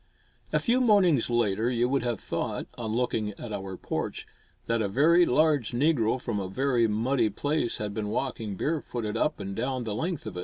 A few mornings later you would have thought, on looking at our porch, that a very large negro from a very muddy place had been walking bare footed up and down the length of it.